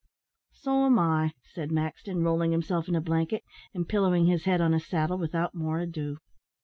"So am I," said Maxton, rolling himself in a blanket, and pillowing his head on a saddle, without more ado.